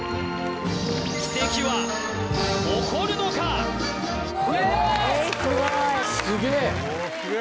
奇跡は起こるのかえーっ